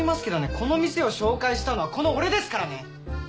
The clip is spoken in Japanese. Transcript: この店を紹介したのはこの俺ですからね！